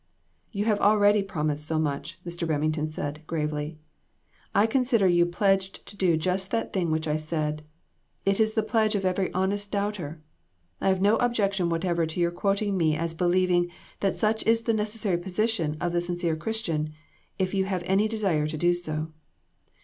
"You have already promised so much," Mr. Remington said, gravely ;" I consider you pledged to do just that thing which I said. It is the pledge of every honest doubter. I have no objec tion whatever to your quoting me as believing that such is the necessary position of the sincere Christian, if you have any desire to do so."